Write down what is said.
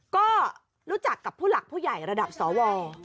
ก็รู้จักกับผู้หลักผู้ใหญ่ระดับสว